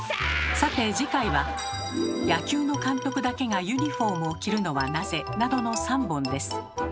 さて次回は「野球の監督だけがユニフォームを着るのはなぜ？」などの３本です。